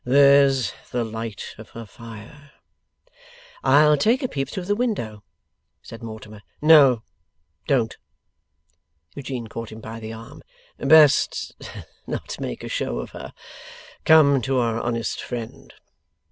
'There's the light of her fire.' 'I'll take a peep through the window,' said Mortimer. 'No, don't!' Eugene caught him by the arm. 'Best, not make a show of her. Come to our honest friend.